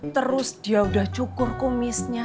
terus dia udah cukur kumisnya